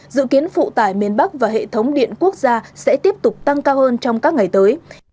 dự kiến phụ tải miền bắc và hệ thống điện quốc gia sẽ tiếp tục tăng cao hơn trong các ngày tới